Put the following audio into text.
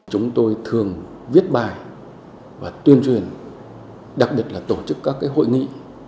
chúng tôi thường viết bài và tuyên truyền đặc biệt là tổ chức các hội nghị